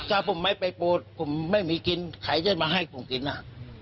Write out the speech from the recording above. ถ้าผมไม่ไปโปรดผมไม่มีกินใครจะมาให้ผมกินน่ะ